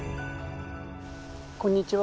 こんにちは。